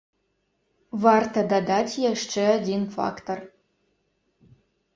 Варта дадаць яшчэ адзін фактар.